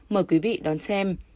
mời quý vị đón xem